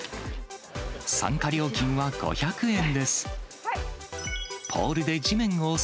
参加料金は５００円です。